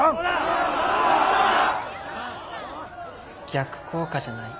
逆効果じゃない？